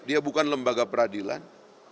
dia bukan lembaga peradilan